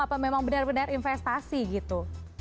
apa memang benar benar investasi gitu